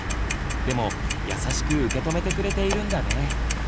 でも優しく受け止めてくれているんだね。